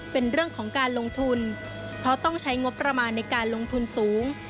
เป็นเรื่องของการลงทุนเพราะต้องใช้งบประมาณในการลงทุนสูง